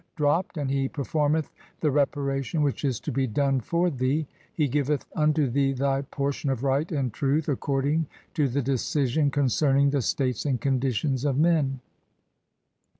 "dropped, and he performeth the reparation which is to be done "for thee ; [he] giveth [unto thee thy] portion of right and truth "according to the decision concerning the states and conditions "[of men]."